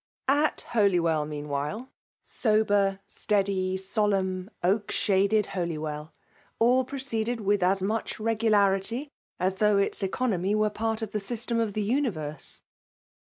At Holywell, meanwhile — sober, steady, so lemn, oak shaded Holywell — all proceeded with as much regularity as though its economy were part of the system of the universe.